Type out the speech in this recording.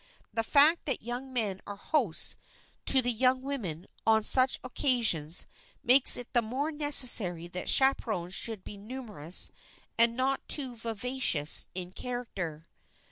The fact that young men are hosts to the young women on such occasions makes it the more necessary that chaperons should be numerous and not too vivacious in character.